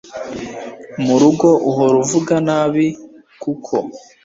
mu rugo uhora avuga nabi kuko